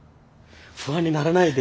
不安にならないで。